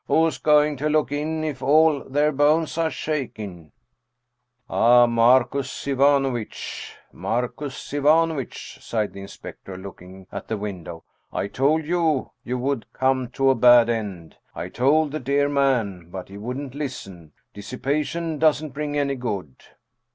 "Who's going to look in, if all their bones are shaking?" " Ah, Marcus Ivanovitch, Marcus Ivanovitch !" sighed the inspector, looking at the window, " I told you you would come to a bad end! I told the dear man, but he wouldn't listen ! Dissipation doesn't bring any good